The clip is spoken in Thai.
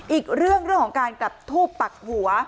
อีกเรื่องเรื่องของการกลับทูปปักหัว